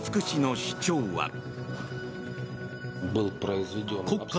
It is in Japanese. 市の市長は。